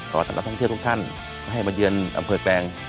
กับนักท่องเที่ยวทุกท่านให้มาเยือนอำเภอแกลง